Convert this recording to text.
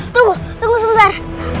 tunggu tunggu sebentar